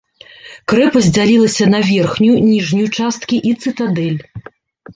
Крэпасць дзялілася на верхнюю, ніжнюю часткі і цытадэль.